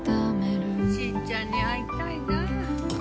しぃちゃんに会いたいな。